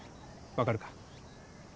わかるか？